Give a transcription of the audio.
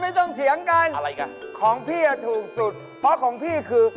ไม่ต้องเถียงกันของพี่ถูกสุดเพราะของพี่คือ